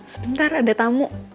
sebentar ada tamu